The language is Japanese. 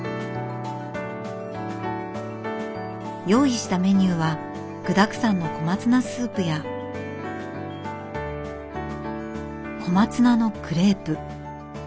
用意したメニューは具だくさんの小松菜スープや小松菜のクレープ。